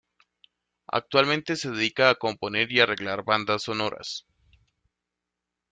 Actualmente, se dedica a componer y arreglar bandas sonoras.